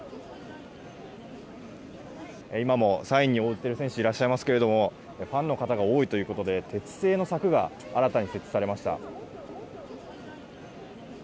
今もサインに応じている選手がいらっしゃいますがファンの方が多いということで鉄製の柵が新たに設置されました。